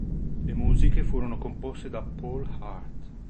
Le musiche furono composte da Paul Hart.